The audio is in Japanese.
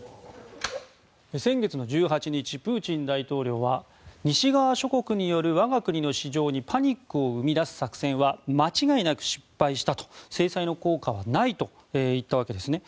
先月１８日、プーチン大統領は西側諸国による、我が国の市場にパニックを生み出す作戦は間違いなく失敗したと制裁の効果はないと言ったわけですね。